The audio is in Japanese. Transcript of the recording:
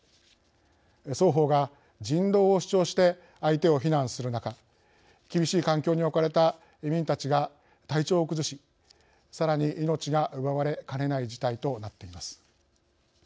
双方が人道を主張して相手を非難する中厳しい環境に置かれた移民たちが体調を崩しさらに命が奪われかねない事態となっています。